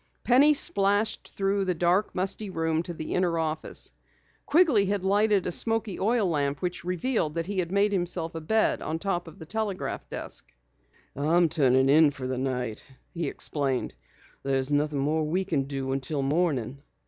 Penny splashed through the dark, musty room to the inner office. Quigley had lighted a smoky oil lamp which revealed that he had made himself a bed on top of the telegraph desk. "I'm turning in for the night," he explained. "There's nothing more we can do until morning."